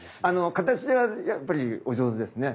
形ではやっぱりお上手ですね。